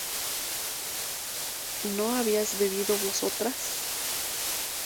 ¿no habíais bebido vosotras?